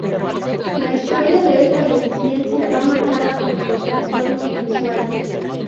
La historia de esta deficiencia va marcada por los trastornos visuales.